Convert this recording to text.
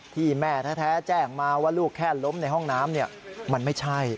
ที่แม่แท้แจ้งมาว่าลูกแค่ล้มในห้องน้ำมันไม่ใช่